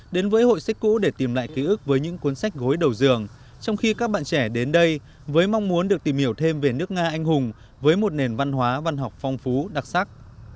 đến với hội sách cũ để tìm lại ký ức với những cuốn sách gối đầu dường trong khi các bạn trẻ đến đây với mong muốn được tìm hiểu thêm về nước nga anh hùng với một nền văn hóa văn học phong phú đặc sắc